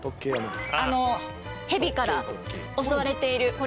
あのヘビから襲われているこれ。